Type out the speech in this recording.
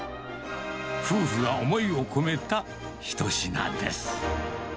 夫婦が思いを込めた一品です。